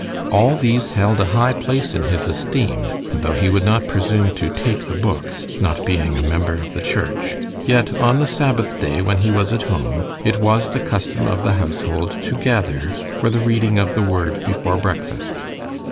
All these held a high place in his esteem; and though he would not presume to "take the books," not being a member of the church, yet on the Sabbath day when he was at home it was the custom of the household to gather for the reading of the Word before breakfast.